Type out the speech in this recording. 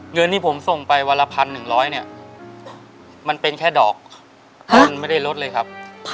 เงินที่ผมส่งไปวันละ๑๑๐๐เนี่ยมันเป็นแค่ดอกต้นไม่ได้ลดเลยครับ